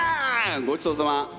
ごちそうさま。